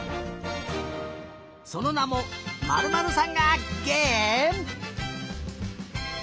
そのなも「○○さんが」げえむ。